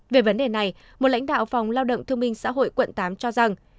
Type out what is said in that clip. về vấn đề này một lãnh đạo phòng lao động thương minh xã hội quận tám cho rằng